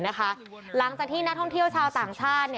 หลังจากที่นักท่องเที่ยวชาวต่างชาติ